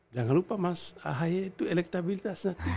jangan lupa mas ahaye itu elektabilitasnya